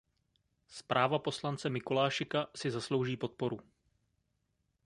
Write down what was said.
Zpráva poslance Mikolášika si zaslouží podporu.